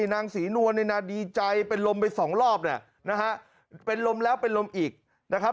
นางศรีนวลเนี่ยนะดีใจเป็นลมไปสองรอบเนี่ยนะฮะเป็นลมแล้วเป็นลมอีกนะครับ